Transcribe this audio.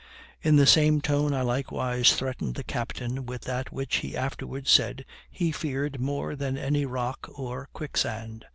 In the same tone I likewise threatened the captain with that which, he afterwards said, he feared more than any rock or quicksand.